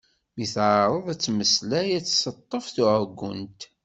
Mi teɛreḍ ad temmeslay ad tt-teṭṭef tɛuggent.